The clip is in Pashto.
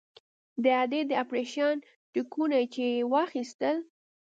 د ادې د اپرېشن ټکونه چې يې واخيستل.